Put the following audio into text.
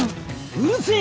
うるせぇ！